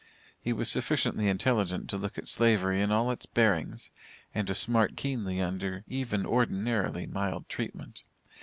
He was sufficiently intelligent to look at Slavery in all its bearings, and to smart keenly under even ordinarily mild treatment.